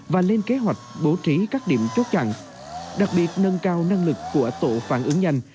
và lên kế hoạch bố trí các điểm chốt chặn đặc biệt nâng cao năng lực của tổ phản ứng nhanh